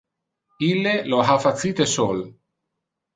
Ille lo ha facite sol.